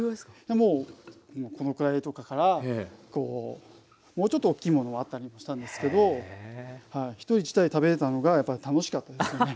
もうこのくらいとかからもうちょっと大きいものもあったりもしたんですけど１人１台食べれたのがやっぱり楽しかったですね。